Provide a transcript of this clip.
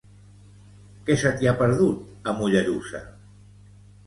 Què se t'hi ha perdut, a Mollerusa?